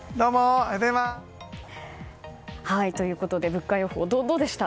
物価予報でした。